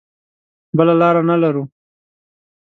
بله لاره نه لرو.